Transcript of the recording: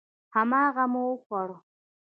هماغه مو وخوړه.